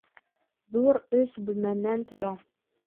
Ҙур, өс бүлмәнән тора